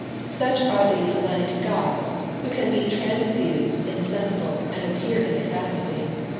Such are the Hellenic Gods, who can be transfused in the sensible and appear in it adequately.